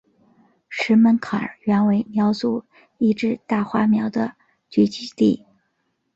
石门坎原为苗族一支大花苗的聚居地。